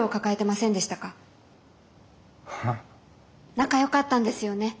仲よかったんですよね？